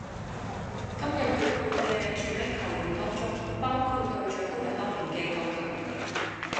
今日奪冠嘅主力球員當中，包括隊長都係當年嘅舊球員